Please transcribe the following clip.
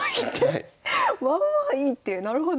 まあまあいい手なるほど。